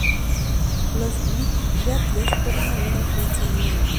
Los Beatles fueron una gran influencia en Lynne.